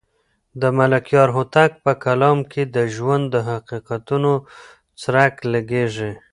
د ملکیار هوتک په کلام کې د ژوند د حقیقتونو څرک لګېږي.